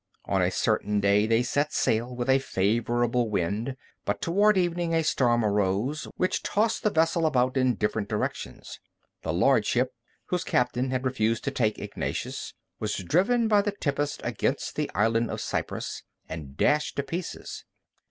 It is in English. On a certain day they set sail with a favorable wind, but toward evening a storm arose, which tossed the vessels about in different directions. The large ship, whose captain had refused to take Ignatius, was driven by the tempest against the Island of Cyprus, and dashed to pieces.